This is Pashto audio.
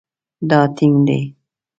دا ټینګ دی